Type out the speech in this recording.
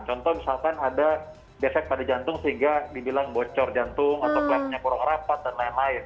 contoh misalkan ada desek pada jantung sehingga dibilang bocor jantung atau klepnya kurang rapat dan lain lain